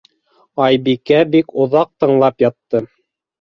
Айбикә бик оҙаҡ тыңлап ятты.